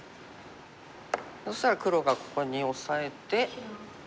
そしたら黒がここにオサえて。